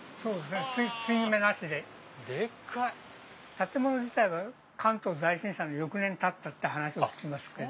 建物自体は関東大震災の翌年に建ったって話を聞きますけど。